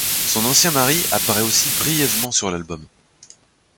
Son ancien mari apparaît aussi brièvement sur l'album.